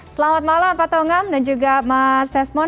selamat malam pak togam dan juga mas desmond